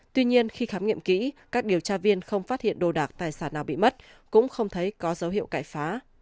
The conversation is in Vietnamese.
tuy nhiên khi khám nghiệm kỹ các điều tra viên không phát hiện đồ đạc tài sản nào bị mất cũng không thấy có dấu hiệu cải phá